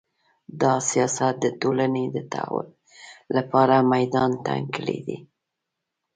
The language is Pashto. دا سیاست د ټولنې د تحول لپاره میدان تنګ کړی دی